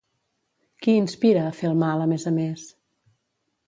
Qui inspira a fer el mal, a més a més?